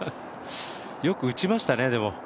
よく打ちましたね、でも。